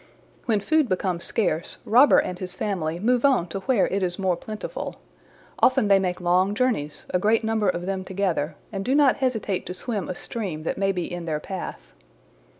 "When food becomes scarce, Robber and his family move on to where it is more plentiful. Often they make long journeys, a great number of them together, and do not hesitate to swim a stream that may be in their path."